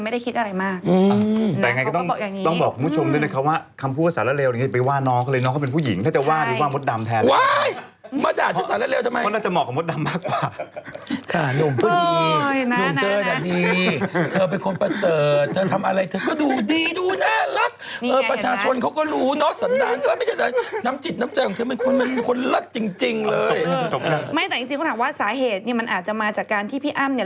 ไม่แต่จริงเขาถามว่าสาเหตุมันอาจจะมาจากการที่พี่อ้ำ